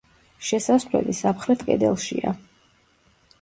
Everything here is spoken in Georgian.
შესასვლელი სამხრეთ კედელშია.